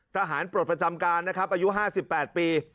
ปลดประจำการนะครับอายุ๕๘ปี